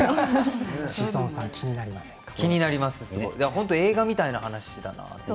本当に映画みたいな話だなと。